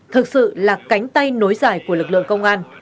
thực sự là cánh tay nối dài của lực lượng công an